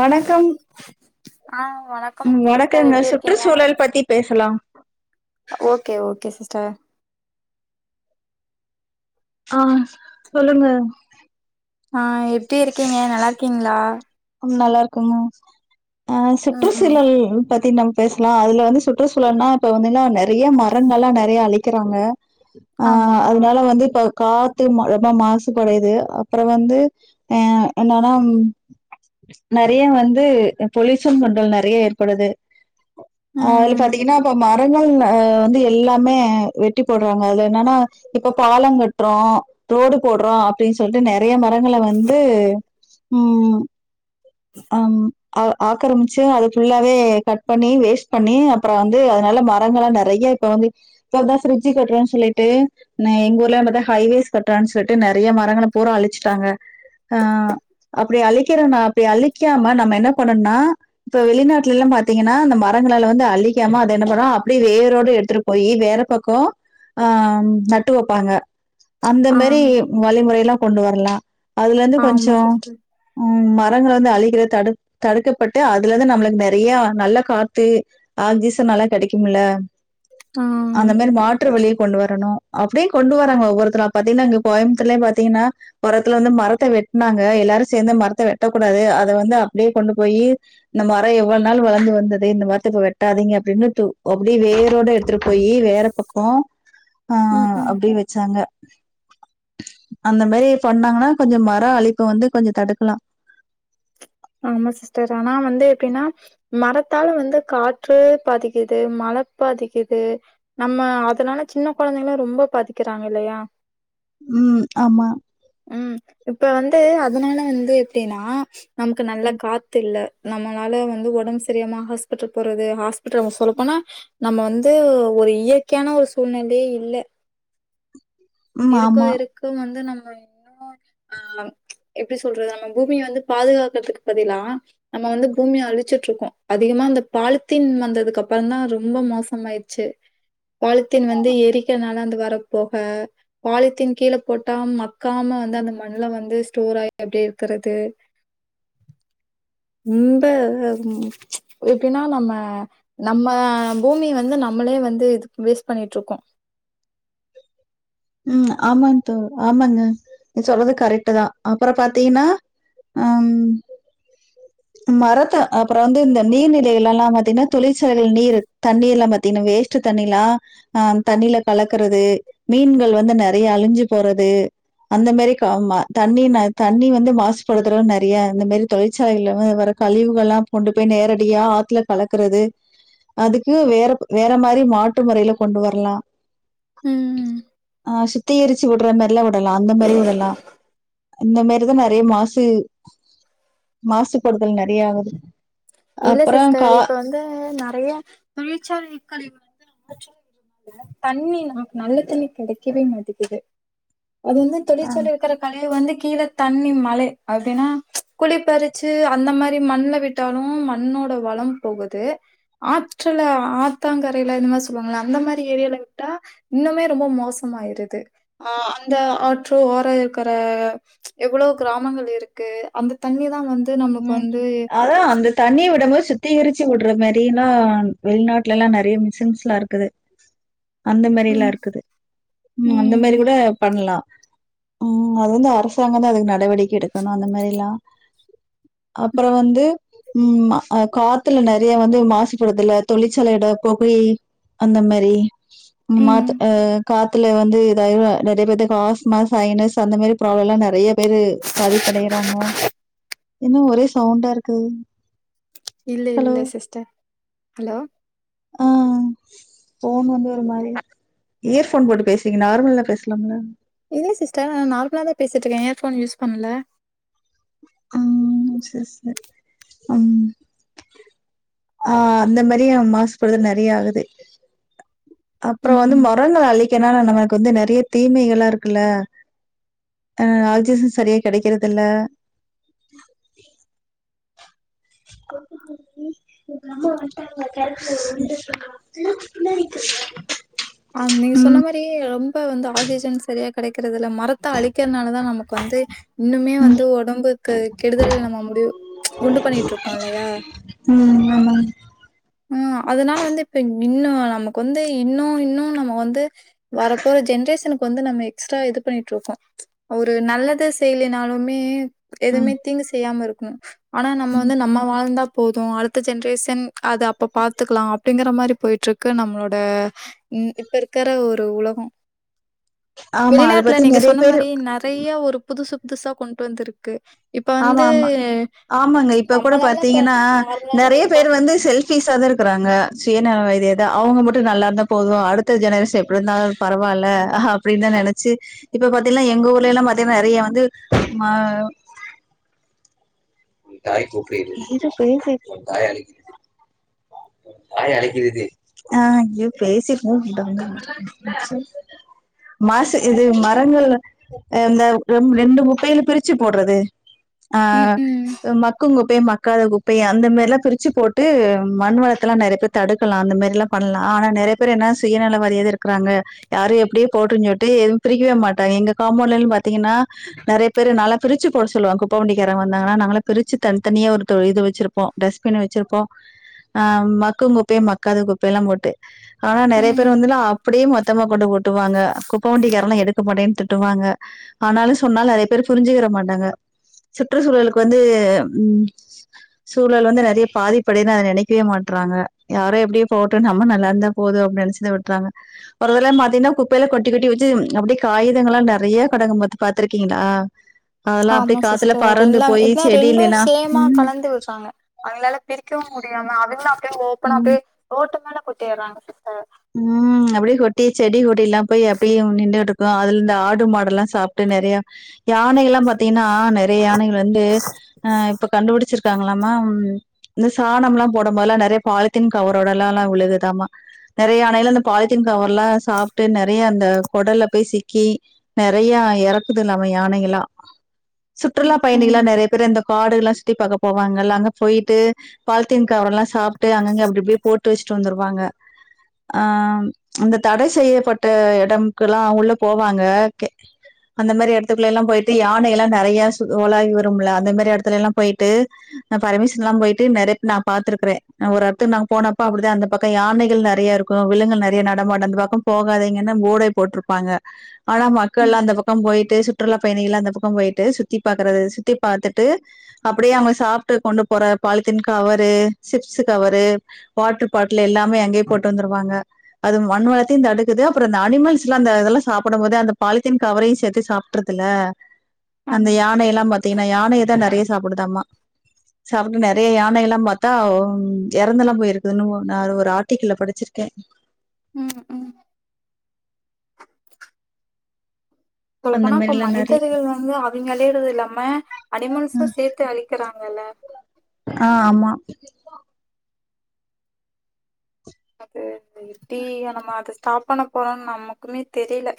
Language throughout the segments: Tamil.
வணக்கம் ஆ வணக் ம் வணக்கங்க சுற்றுச்சூழல் பத்தி பேசலா ஓகே ஓகே சிஸ்டர் ஆ சொல்லுங்க ஆ எப்டி இருக்கீங்க நல்லா இருக்கீங்ளா ம் நல்லா இருக்கோங்க ஆ ம் சுற்றுச்சூழல் பத்தி நம் பேசலா அதுல வந்து சுற்றுச்சூழல்னா இப்ப வந்துல்லா நெறைய மரங்க எல்லா நெறைய அழிக்கிறாங்க ஆ ஆமா அதனால வந்து இப்ப காத்து ம ரொம்ப மாசு படுது அப்ரோ வந்து அ என்னன்னா நெறைய வந்து பொலயூசன் பண்றது நெறைய ஏற்படுது அதுல ம் பாத்தீங்னா இப்ப மா மரங்கள் வந்து எல்லாமே வெட்டி போட்றாங்க அது என்னன்னா இப்ப பாலங்கட்றோ ரோடு போட்றோ அப்டினு சொல்லிட்டு நெறைய மரங்கள வந்து ம் ஆம் அ ஆக்கிரமிச்சு அது ஃபுல்லாவே கட் பண்ணி வேஸ்ட் பண்ணி அப்ரோ வந்து அதனால மரங்கள நெறைய இப்போ வந்து கேட்டா பிரிஜ்ஜீ கட்றோனு சொல்லிட்டு எங்க ஊர்ல இப்தா ஹைவேஸ் கட்றானு சொல்லிட்டு நெறைய மரங்கள பூரா அழிச்சுட்டாங்க ஆ அப்டி அழிக்கற நா அப்டி அழி க்காம நம்ம என்ன பண்ணுனா இப்ப வெளிநாட்டுல எல்லா பாத்தீங்னா அந்த மரங்களால வந்து அள்ளிக்காம அத என்ன பன்னா அப்டியே வேரோடு எடுத்து போயி வேற பக்கோ ஆ நட்டு வப்பாங்க அந்த ஆ மாரி வழிமுறைலா கொண்டு வர்லா அதுல இருந்து ஆமா கொஞ்சோ சிஸ்டர் ம் மரங்கள வந்து அழிகிறது தடு தடுக்கப்பட்டு அதுலருந்து நம்மளுக்கு நெறைய நல்ல காத்து ஆக்சிஜனல்லா கெடைக்குமுல்ல ஆ அந்த ம் மாரி மா ற்று வழிய கொண்டு வரணு அப்டியு கொண்டு வராங்க ஒவ்வொருத்தரா பாத்தீங்கன்னா இங்க கோயம்மத்தூர்லயே பாத்தீங்கன்னா ஓரத்துல வந்து மரத்த வெட்னாங்க எல்லாரு சேந்து மரத்த வெட்டக்கூடாது அத வந்து அப்டியே கொண்டு போயி இந்த மரோ எவ்ளோ நாள் வளந்து வந்தது இந்த மரத்த இப்ப வெட்டாதீங்க அப்டின்னு து அப்டியே வேரோட எடுத்துட்டு போயி வேற பக்கோ ஆ ம் அப்டியே வச் வச்சாங்க அந்த மாரி பண்ணாங்கன்னா கொஞ்சோ மரோ அழிப்ப வந்து கொஞ்சோ தடுக்கலா ஆமா சிஸ்டர் ஆனா வந்து எப்டின்னா மரத்தால வந்து காற்று பாதிக்கிது மழ பாதிக்கிது நம்ம அதனால சின்ன கொழந்தைங்களு ரொம்ப பாதிக்கிறாங்க இல்லயா ம் ஆமா ம் இப்ப வந்து அதுனால வந்து எப்டின்னா நமக்கு நல்ல காத்து இல்ல நம்மனால வந்து ஒடம்பு சரியமா ஹாஸ்பிட்டல் போறது ஹாஸ்பிட்டல் அவுங்க சொல்லப்போனா நம்ம வந்து ஒரு இயற்கையான ஒரு சூழ்நிலையே இல்ல ம் இருக்கோ ஆமா. இருக்கு வந்து நம்ம இன்னுமோ ஆ எப்டி சொல்றது நம்ம பூமிய வந்து பாதுகாக்கறதுக்கு பதிலா நம்ம வந்து பூமிய அழுச்சுட்ருக்கோ அதிகமா அந்த பாலித்தீன் வந்ததுக்கு அப்பறந்தா ரொம்ப மோசமாயி ச்சு பாலித்தீன் வந்து எரிக்கறனால அந்த வரப் பொக பாலித்தீன் கீழ போட்டா மக்காம வந்து அந்த மண்ணுல வந்து ஸ்டோர் ஆகி அப்டியே இருக்கறது ரொம்ப எப்டின்னா நம்ம நம்ம பூமிய வந்து நம்மளே வந்து இது வேஸ்ட் பண்ணிட்ருக்கோ ம் ஆமாங் தோ ஆமாங்க நீ சொல்றது கரெக்ட்டு தா அப்பறோ பாத்தீங்கன்னா ஆ ம் மரத்த அப்பறோ வந்து இந்த நீர்நிலைகள் எல்லா பாத்தீங்கன்னா தொழிற்சலைகள் நீரு தண்ணீர் எல்லா பாத்தீங்கன்னா வேஸ் ட்டு தண்ணிலா அ தண்ணில கலக்கறது மீன்கள் வந்து நெறைய அழுஞ்சு போறது அந்த மாரி கா ஆமா தண்ணினா தண்ணி வந்து மாசுபடுத்துவ நெறைய இந்த மாரி தொழிற்சாலைல வர கழிவுகள்லா கொண்டு போய் நேரடியா ஆத்துல கலக்கறது அதுக்கு வேற வேற மாரி மாற்று முறையில கொண்டு வரலா ம். ஆ சி தீ எருச்சு விட்ற மாரிலா விடலா அந்த மாரி விடலா இந்த மாரி தா நெறைய மாசு மாசுபடுதல் நெறைய ஆகுது இல்ல அப்புறம் கா சிஸ்டர் இப்ப வந்து நெறைய தொழிற்சாலை கழிவு வந்து ரொம்ப தண்ணி நமக்கு நல்ல தண்ணி கெடைக்கவே மாட்டிகிது அது வந்து தொழிற்சாலை இருக்கிற கழிவு வந்து கீழ தண்ணி மழை அப்டின்னா குழிப்பருச்சு அந்த மாரி மண்ல விட்டா லும் மண்ணோட வளம் போகுது ஆற்றுல ஆத்தாங்கரைல இந்த மாரி சொல்லுவாங்கள அந்த மாரி ஏரியால விட்டா இன்னுமே ரொம்ப மோசமாயிருது அ அந்த ஆற்று ஓர இருக்கற எவ்ளோ கிராமங்கள் இருக்கு அந்த தண்ணி தா வந்து நமக்கு வந்து அ அந்த தண்ணிய விடம் போது சுத் திகரிச்சு விட்ற மாரிலா வெளிநாட்லல்லா நெறைய மிஷின்ஸ்ல்லா இருக்குது அந்த மாரியல்லா ம், இருக்குது ம் அந்த மாரி கூட பண்லா ம் அது வந்து அரசாங்கந்தா அதுக்கு நடவடிக்கை எடுக்கணு அந்த மாரில்லா அப்பறம் வந்து ம் காத்துல நெறய வந்து மாசுபடுதுல தொழிற்சாலையிட பொகை அந்த மாரி ம். மாத்த அ காத்துல வந்து ஏதாவது நெறய பேத்துக்கு ஆஸ்மாஸ் சைனஸ் அந்த மாரி ப்ராப்ளம் எல்லா நெறய பேரு பாதிப்படையறாங்க என்ன ஒரே சவுண்டா இருக்கு இல்ல ஹலோ இல்ல சிஸ்டர் ஹலோ ஆ போன் வந்து ஒரு மாரி இயர்போன் போட்டு பேஸ்ரிங்க நார்மல்லா பேசலாம்லா இல்ல சிஸ்டர் நா நார்மல தா போசிட்ருக்கேன் இயர்ஃபோன் யூஸ் பண்ணல ம் சேர் சேர் ம் ஆ அந்த மாரி மாசுபடுறது நெறய ஆகுது அப்பறம் ம். வந்து மரங்களை அழிக்கனால நமக்கு வந்து நெறய தீமைகளா இருக்குல்ல ஆ ஆக்சிஜன் சரியா கெடக்கறது இல்ல ஆ எங்க அம்மா வட்டாங்க கேரக்டர் பின்னாடிைக்கு அ நீங்க சொன்ன மேர் பே ரொம்ப வந்து ஆக்சிஜன் சரியா கெடக்கறது இல்ல மரத்த அழிக்கிறதுனால தா நமக்கு வந்து இன்னுமே ம் வந்து உடம்புக்கு கெடுதல் நம்ம முடிவு உண்டு பண்ணிட்டு இருக்கோம் இல்லயா ம் ஆமாங்க ஆ அதனால வந்து இப்ப இன்னும் நமக்கு வந்து இன்னும் இன்னும் நம்ம வந்து வர போற ஜென்ரேஷன் வந்து நம்ம எக்ஸ்ட்ரா இது பண்ணிட்டு இருக்கோ ஒரு நல்லது செய்லினாலுமே எதுமே ம் தீங்கு செய்யாம இருக்கனு ஆனா நம்ம வந்து நம்ம வாழ்ந்தா போது அடுத்த ஜென்ரேஷன் அது அப்ப பாத்துக்லா அப்டிங்கற மாரி போயிட்டுருக்கு நம்மளோட ம் இப்ப இருக்ற ஒரு உலகோ ஆமா அத வெளிநாட்ல பத்தி நீங்க நெறைய சொன்ன பேரு மாரி நெறைய ஒரு புதுசு புதுசா கொண்டு வந்திருக்கு இப்ப ஆமா வந்து ஆமா ஆமாங்க இப்ப கூட நம்மளால இப்ப பாத்தீங்கன்னா நார்மலான நெறைய ஒரு பேரு பெர்சன் வந்து செல் பிஷ்ஷா தா இருக்கறாங்க சுய நல வாதியாத்தா அவுங்க மட்டு நல்லா இருந்தா போது அடுத்த ஜெனரேஷன் எப்டி இருந்தா பரவால்ல அப்டின்னு தா நெனைச்சு இப்ப பாத்தீங்கன்னா எங்க ஊர்லலா பாத்தீங்கன்னா நெறைய வந்து மா தாய் கூப்டு இது தாய் அலி தாய் அழைக்கிறதுடி மாசு இது மரங்கள் இந்த ரெ ரெண்டு குப்பையில பிரிச்சு போட்றது ஆ ம், ம், மக்கு குப்பை மக்காத குப்பை அந்த மாரிலா பிரிச்சு போட்டு மண் வளத் இருக்கநீ லா நெறைய பேரு தடுகலா அந்த மாரிலா பண்லா ஆனா நெறைய பேரு என்னா சுயநல வாதியாதா இருக்காங்க யாரோ எப்டியோ போட்டுன்னு சொல்ட்டு எதும் பிரிக்கவே மாட்டாங்க எங்க காம்வுண்ட்லலா பாத்தீங்கனா நெறைய பேரு நாலா பிரிச்சு போட சொல்லுவ குப்பவண்டிக்காரங்க வந்தாங்கனா நாங்கலா பிரிச்சு தனித் தனியா தோ ஒரு இது வச்சிருப்போ போ டஸ்ட்பின்னு வச்சிருப்போ ஆ மக்கு குப்பை மக்காத குப்பையல்லா போட்டு ஆனா நெறைய பேரு ம். வந்துங்ளா அப்டியே மொத் மொத்தமா கொண்டு கொட்டுவாங்க குப்ப வண்டிக்காரல்லா எடுக்க மாட்டேன்னு திட்டுவாங்க ஆனாலு சொன்னா நெறைய பேரு புரிஞ்சுக்கிற மாட்டாங்க சுற்றுச்சூழலுக்கு வந்து ம் சூழல் வந்து நெறைய பாதிப்படையன்னு நா நெனைக் க்குக் மாட்றாங்க யாரு எப்டியோ போட்டு நம்ம நல்லா இருந்தாபோது அப்டினு நெனைச்சுத விட்டுறாங்க ஒரு தரவ பாத்தீங்கனா குப்பேலா கொட்டி கொட்டி வச்சி அப்டியே காயிதங்கல்லா நெறையா கெடக்கு பாத் பாத்துருக்கீங்ளா ஆமா சிஸ்டர் எல்லா போய் எப்பனா ரெண்டு செடியிலல்லா சேமா ம் கலந்து வெச்சாங்க அவிங்களால பிரிக்கவு முடியாம அவிங்கலு அப்டியே ஓப்பனா ம் அப்டியே ரோட்டுமேல கொட்டிர்றாங்க சிஸ்டர் ம் அப்டியே கொட்டி செடி கொடிலா போய் அப்டியே நின்டுட்டு இருக்கு அதுல இந்த ஆடு மாடல்லா சாப் ட்டு நெறையா யானையெல்லா பாத்தீங்கன்னா நெறையா யானைகள் வந்து ஆ இப்ப கண்டுபிடிச்சிருக் காங்ளாமா ம் இந்த சாணம்லா போடபோதெல்லா நெறையா பாலித்தீன் கவரோடல்லால்லா விழுகுதாமா நெறையா யானைகள் அந்த பாலித்தீன் கவர்லா சாப்ட்டு நெறையா அந்த கொடல்ல போய் சிக்கி நெறையா எறக்குதுலாமா யானைகல்லா சுற்றுலா பயணிகள்லா ம் நெறையா பேரு இந்த காடுகல்லா சுத்தி பாக்க போவாங்கல்ல அங்க போயிட்டு பாலத்தீன் கவரல்லா சாப்ட்டு அங்கங்க அப்டி அப்டியே போட்டு வச்சிட்டு வந்துருவாங்க ஆ அந்த தடை செய்யப்பட்ட எடம்க்குலா உள்ள போவாங்க அந்த மாரி எடத்துக்குல்லல்லா போயிட்டு யானையெல்லா நெறையா சு ஓலாவி வருமுல அந்த மாரி எடத்துலல்லா போயிட்டு நா பர்மிஷன் இல்லாம போயிட்டு நெறையா நா பாத்துருக்குறே நா ஒரு எடத்துக்கு நாங்க போனப்ப அப்டிதா அந்த பக்கோ யானைகள் நெறையா இருக் கு விலுங்குகள் நெறையா நடமாடு அந்த பக்கோ போகாதீங்கன்னு போடே போட்ருப்பாங்க ஆனா ம் மக்கள்லா அந்த பக்கோ போயிட்டு சுற்றுலா பயணிகள் எல்லா அந்த பக்கோ போயிட்டு சுத்தி பாக்குறது சுத்தி பாத்துட்டு அப்டியே அவுங்க சாப்ட்டு கொண்டு போற polythene cover chips cover water bottle எல்லாமே அங்கயே போட்டு வந்துருவாங்க அது மண் வளத்தையு தடுக்குது அப்பறோ இந்த அனிமல்ஸ்லா இந்த இதெல்லா சாப்டும் போது அந்த பாலித்தீன் கவரையு சேத்து சாப் ட்டுறுதுல அந்த ஆமா யானையெல்லா பாத்தீங்ன்னா யானைதா நெறையா சாப்டுதாமா சாப்ட்டு நெறையா யானையெல்லா பாத்தா எறந்தெல்லா போயிருக்குதுன்னு ஒரு ஆர்டிக்கல்ல படிச் சிருக்கே ம் ம் சொல்ல அந்த போனா இப்ப மாரிலா நெறைய மனிதர்கள் வந்து அவிங்க அழியுறது இல்லாம அனிமல்சூ சேத்து அழிக்கிறாங்கல்ல ஆ ஆமா அது அத எப்டி நம்ம அத ஸ்டாப் பண்ண போறோன்னு நமக்குமே தெரியல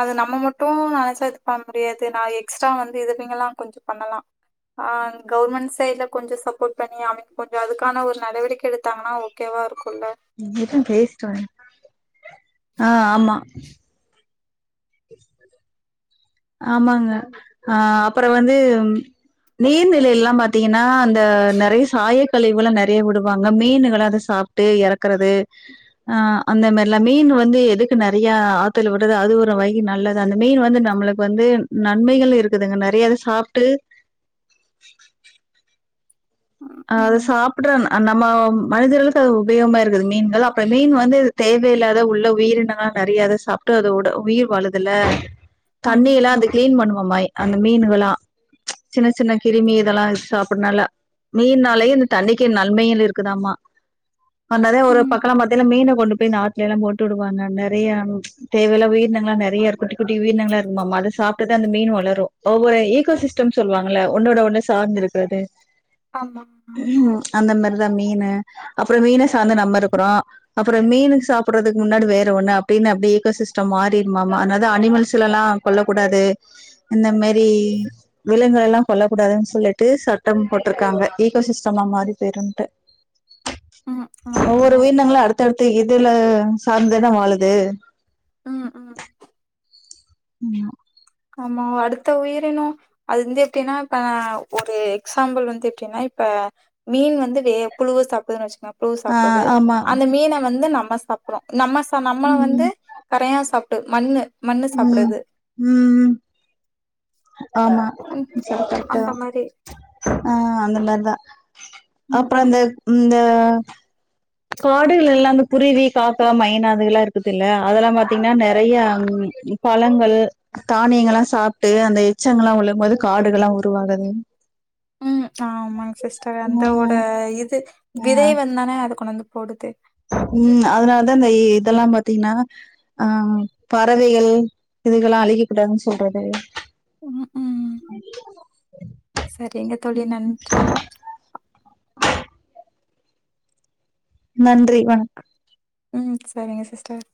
அது நம்ம மட்டு நெனைச்சா இது பண்ண முடியாது நா எக்ஸ்ட்ரா வந்து இது இவிங்கல்லா கொஞ்சோ பண்ணலா ஆ கவுர்மெண்ட் சைட்ல கொஞ்சோ சப்போர்ட் பண்ணி அவிங்க கொஞ்சோ அதுக்கான ஒரு நடவடிக்கை எடுத்தாங்கன்னா ஓக் கேவா இருக்குல்லா ஆ ஆமா ஆமாங்க ஆ அப்பறோ வந்து நீர்நிலை எல்லா பாத்தீங்கன்னா அந்த நெறைய சாயக்கழிவுல்லா நெறைய விடுவாங்க மீன்கள் அத சாப் ட்டு எறக்குறது ஆ அந்த மாரில்லா மீன் வந்து எதுக்கு நெறையா ஆத்துல விடுறது அது ஒரு வகி நல்லது அந்த மீன் வந்து நம்மளுக்கு வந்து நன்மைகள் இருக்குதுங்க நெறையா இத சாப்ட்டு ம் ஆ அது ம் சாப்ட்றமா நம்ம மனிதர்களுக்கு அது உபயோகமா இருக்குது மீன்கள் அப்ப மீன் வந்து தேவையில்லாத உள்ள உயிரினங் நெறைய இத சாப்ட்டு அது உட உயிர் வாழுதுல ஆமா தண்ணியெல்லா அந்த கிளீன் பண்ணுமாமா அந்த மீனுகல்லா சின்ன சின்ன கிருமி இதெல்லா சாப்டனால மீன்னாலயே இந்த தண்ணிக்கி நன்மைகள் இருக்குதாமா அதனாலதா ஒரு ஒரு ம் பாக்கோல்லா பாத்தீங்கன்னா மீன கொண்டு போய் இந்த ஆத்துல எல்லா போட்டு விடுவாங்க நெறையா தேவையில்லா உயிரினங்கள் எல்லா நெறையா இருக்கு குட்டி குட்டி உயிரினங்கள்ல்லா இருக்குமாமா அத சாப்ட்டுதா இந்த மீன் வளரு ஒவ்வொரு ஈகோசிஸ்டம் சொல்லுவாங்கல்ல ஒன்னோட ஒண்ணு சார்ந்து இருக்குறது ஆமா ம் அந்த மாரிதா மீன் அப்பறோ மீன சார்ந்து நம்ம இருக்குறோ அப்புறோ மீனுக்கு சாப்பிட்றதுக்கு முன்னாடி வேற ஒண்ணு அப்படின்னு அப்படியேக சிஸ்டம் மாறிட்மாமா அத்னாலதா அனிமல்ஸ்லெல்லா கொல்லக் கூடாது இந்த மேரி விலங்கல்லா கொல்லக்கூடாதுன்னு சொல்லிட்டு சட்டம் போட்டிருக்காங்க ஈகோசிஸ்டம் மாறி போயிடேம்டு ம் ஆமாங்க ஒவ்வொரு உயிரினங்களூ அடுத் தட்டு இதுல சார்ந்துதானே வாழுது ம் ம் ம்மா ஆமாங்க அடுத்த உயிரினம் அது வந்து எப்படின்னா இப்ப ந ஒரு எக்ஸாம்பிள் வந்து எப்பிடின்னா இப்ப மீன் வந்து வே புழுவ சாப்படுதுன்னு வச்சுங்ளோ புழு ஆ சாப்பிடுது ஆமா அந்த மீனை வந்து நம்ம சாப்பட்றோ நம்ம ச நம்ம வந்து ம் கரையா சாப் டுது மண்ணு மண்ணு ம் சாப்பிடுது ம் ஆமா ம் சரி கரெக்ட்டுதா அந்தமாரி ஆ அந்த மாரிதா ம் அப்புறோ ‌அந்த ம் இந்த காடுகள் லெல்லாம் அந்து குருவி காக்கா மைனா அதுகெல்லா இருக்குது இல்ல அதெல்லா பாத்தீங்ன்னா நெறய பலங்கள் தானியங்கள் எல்லா சாப்டு அந்த எச்சங்கெலா விழும் போது காடுகள் எல்லா உருவாகுது ம் ஆமா சிஸ்டர் ம் அந்தோட இது விதை வந் தான ‌அது கொண்டாந் போடுது ம் அதனாலதா இந்த இதெல்லா பாத்தீங்கன்னா ஆ பறவைகள் இதுகள்ல்லா அழிக்க கூடாதுன்னு சொல்றது ம் ஹும் சரிங்க தோழி நன்றி நன்றி வணக் ம் சரிங்க சிஸ்டர்